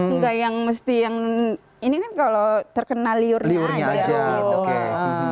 enggak yang mesti yang ini kan kalau terkenal liurnya aja gitu